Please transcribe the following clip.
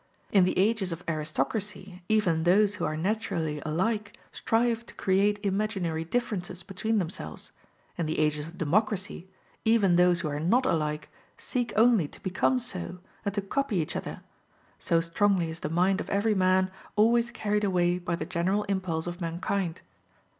In the ages of aristocracy even those who are naturally alike strive to create imaginary differences between themselves: in the ages of democracy even those who are not alike seek only to become so, and to copy each other so strongly is the mind of every man always carried away by the general impulse of mankind.